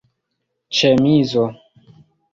ĉemizo